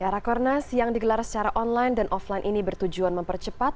rakornas yang digelar secara online dan offline ini bertujuan mempercepat